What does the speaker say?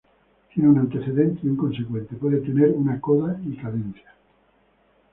Tiene un antecedente y un consecuente, puede tener una coda y cadencia.